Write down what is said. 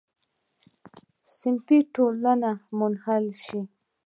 صنفي ټولنې منحل شوې.